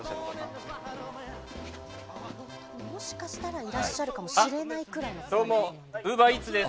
もしかしたらいらっしゃるかもしれないぐらいです。